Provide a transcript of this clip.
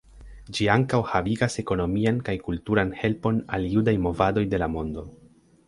Ĝi ankaŭ havigas ekonomian kaj kulturan helpon al judaj movadoj de la mondo.